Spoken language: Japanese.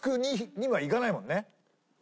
２はいかないもんね。